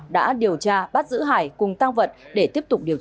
đã điều tra bắt giữ hải cùng tăng vật để tiếp tục điều tra